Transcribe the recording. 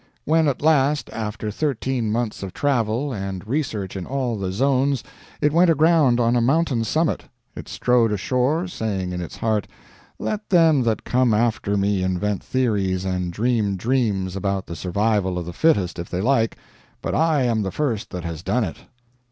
"When at last, after thirteen months of travel and research in all the Zones it went aground on a mountain summit, it strode ashore, saying in its heart, 'Let them that come after me invent theories and dream dreams about the Survival of the Fittest if they like, but I am the first that has done it!